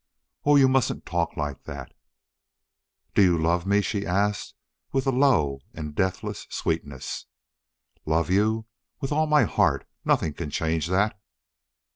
"Oh, you mustn't talk like that!" "Do you love me?" she asked, with a low and deathless sweetness. "Love you? With all my heart! Nothing can change that!"